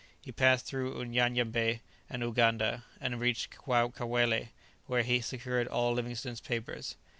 He passed through Unyanyembe and Uganda, and reached Kawele, where he secured all Livingstone's papers.